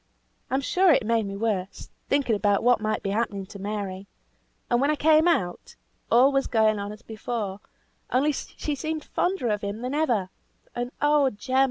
I'm sure it made me worse, thinking about what might be happening to Mary. And when I came out, all was going on as before, only she seemed fonder of him than ever; and oh Jem!